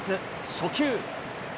初球。